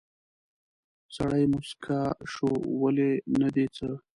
سړی موسکی شو: ولې، نه دي څه؟